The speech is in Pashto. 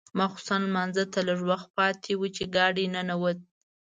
ماخوستن لمانځه ته لږ وخت پاتې و چې ګاډی ننوت.